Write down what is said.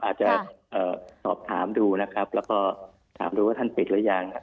อาจจะสอบถามดูนะครับแล้วก็ถามดูว่าท่านปิดหรือยัง